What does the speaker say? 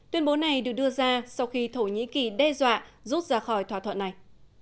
tuyên bố này được đưa ra sau khi thổ nhĩ kỳ đe dọa rút ra khỏi thỏa thuận này